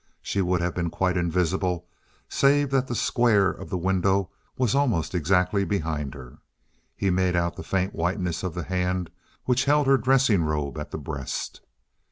She would have been quite invisible, save that the square of the window was almost exactly behind her. He made out the faint whiteness of the hand which held her dressing robe at the breast.